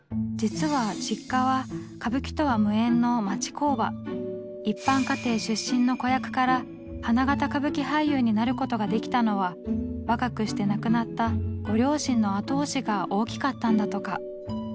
今や実は一般家庭出身の子役から花形歌舞伎俳優になることができたのは若くして亡くなったご両親の後押しが大きかったんだとか。